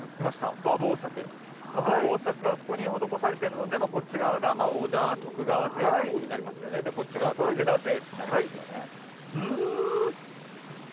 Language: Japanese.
馬防柵馬防柵はここに施されてるのでこっち側が織田徳川勢ってことになりますよねでこっちが武田勢ってなりますよねうん？